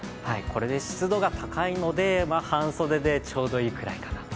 湿度が高いので、半袖でちょうどいいぐらいかな。